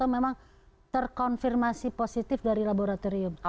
memang terkonfirmasi positif dari laboratorium